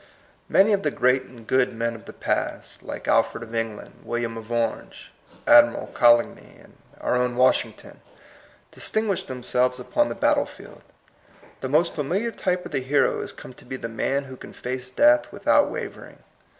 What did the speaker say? Many of the great and good men of the past, like Alfred of England, William of Orange, Admiral Coligny, and our own Washington, distinguished them selves upon the battle field. The most familiar type of the hero has come to be the man who can face death without wa vering.